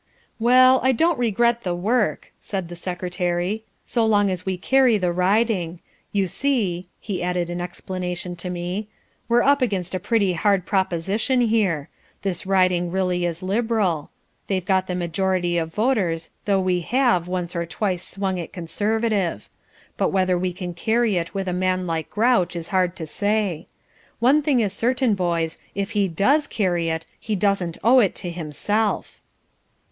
"Well, I don't regret the work," said the Secretary, "so long as we carry the riding. You see," he added in explanation to me, "we're up against a pretty hard proposition here. This riding really is Liberal: they've got the majority of voters though we HAVE once or twice swung it Conservative. But whether we can carry it with a man like Grouch is hard to say. One thing is certain, boys, if he DOES carry it, he doesn't owe it to himself."